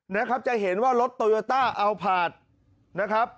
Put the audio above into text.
นะครับจะเห็นว่ารถโตโยต้าอัลพาร์ทนะครับ